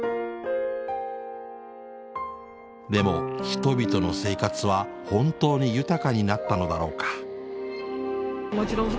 でも人々の生活は本当に豊かになったのだろうか。